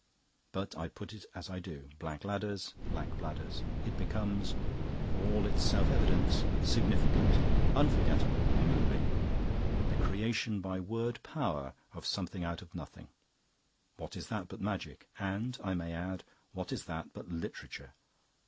But since I put it as I do, 'Black ladders lack bladders,' it becomes, for all its self evidence, significant, unforgettable, moving. The creation by word power of something out of nothing what is that but magic? And, I may add, what is that but literature?